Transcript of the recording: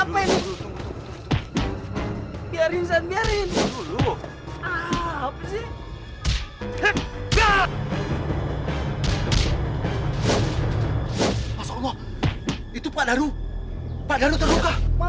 masya allah itu pak daru pak daru terluka